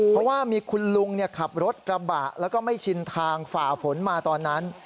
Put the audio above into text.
เพราะว่ามีคุณลุงขับรถกระบะแล้วก็ไม่ชินทางฝ่าฝนมาตอนนั้น